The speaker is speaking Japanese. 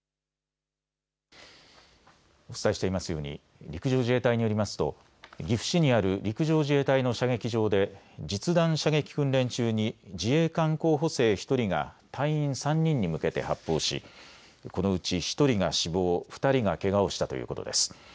お伝えしていますように陸上自衛隊によりますと岐阜市にある陸上自衛隊の射撃場で実弾射撃訓練中に自衛官候補生１人が隊員３人に向けて発砲しこのうち１人が死亡、２人がけがをしたということです。